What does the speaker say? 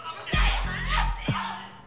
「離せよ！